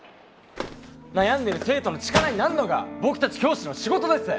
悩んでる生徒の力になるのが僕たち教師の仕事です！